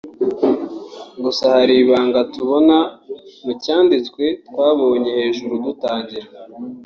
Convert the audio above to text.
Gusa hari ibanga tubona mu cyanditswe twabonye hejuru dutangira